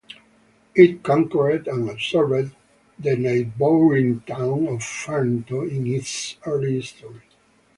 It conquered and absorbed the neighboring town of Ferento in its early history.